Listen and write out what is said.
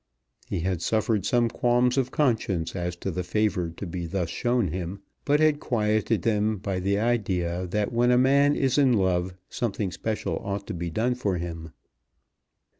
He had suffered some qualms of conscience as to the favour to be thus shown him, but had quieted them by the idea that when a man is in love something special ought to be done for him.